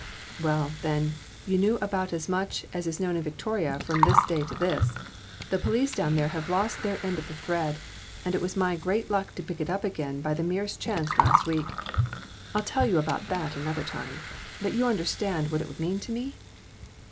"Well, then, you knew about as much as is known in Victoria from that day to this. The police down there have lost their end of the thread, and it was my great luck to pick it up again by the merest chance last week. I'll tell you about that another time. But you understand what it would mean to me?"